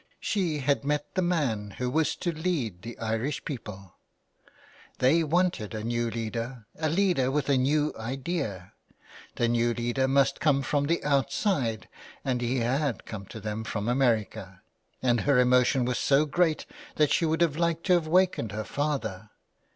She had met the man who was to lead the Irish people ! They wanted a new leader, a leader with a new idea ; the new leader must come from the outside, and he had come to them from America, and her emotion was so great that she would have liked to have awakened her father.